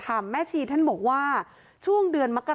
แต่ในคลิปนี้มันก็ยังไม่ชัดนะว่ามีคนอื่นนอกจากเจ๊กั้งกับน้องฟ้าหรือเปล่าเนอะ